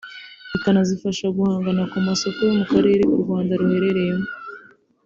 bikanazifasha guhangana ku masoko yo mu karere u Rwanda ruherereyemo